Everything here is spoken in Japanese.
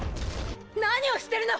何をしてるの！